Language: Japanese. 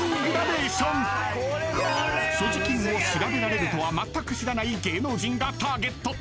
［所持金を調べられるとはまったく知らない芸能人がターゲット］